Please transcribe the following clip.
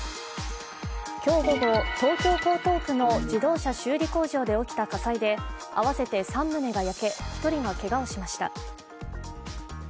今日午後、東京・江東区の自動車修理工場で起きた火災で合わせて３棟が焼け、１人がけがをしました。